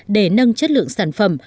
để nâng chất lượng sản phẩm